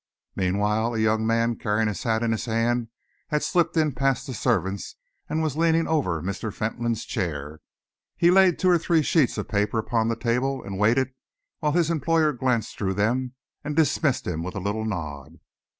Meanwhile, a young man carrying his hat in his hand had slipped in past the servants and was leaning over Mr. Fentolin's chair. He laid two or three sheets of paper upon the table and waited while his employer glanced them through and dismissed him with a little nod.